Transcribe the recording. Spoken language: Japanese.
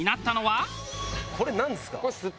これなんですか？